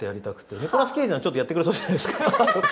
ニコラス・ケイジならちょっとやってくれそうじゃないですか。